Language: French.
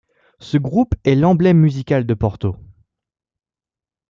Ce groupe est l'emblème musical de Porto.